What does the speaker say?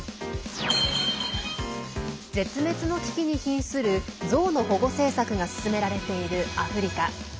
絶滅の危機にひんするゾウの保護政策が進められているアフリカ。